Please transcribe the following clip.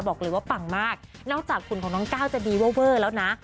บอกเลยว่าปังมากนอกจากขุนของน้องก้าวจะดีเวอร์เวอร์แล้วนะ